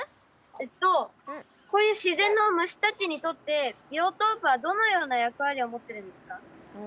えっとこういう自然の虫たちにとってビオトープはどのような役割を持ってるんですか？